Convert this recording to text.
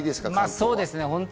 そうですね。